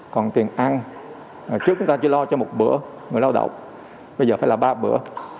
còn tiền ăn trước chúng ta chỉ lo cho một bữa người lao động bây giờ phải là ba bữa